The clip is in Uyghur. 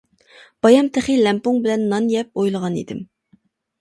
بايام تېخى لەڭپۇڭ بىلەن نان يەپ ئويلىغان ئىدىم.